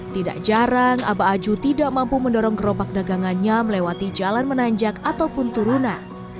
tidak jarang abah aju tidak mampu mendorong gerobak dagangannya melewati jalan menanjak ataupun turunan